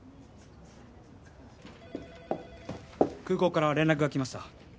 空港から連絡がきました。